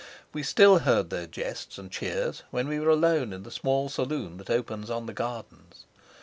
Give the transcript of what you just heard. We still heard their jests and cheers when we were alone in the small saloon that opens on the gardens.